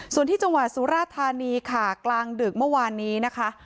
ส่วนที่จังหวัดสุราธานีค่ะกลางดึกเมื่อวานนี้นะคะ